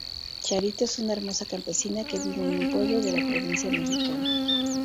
Charito es una hermosa campesina que vive en un pueblo de la provincia mexicana.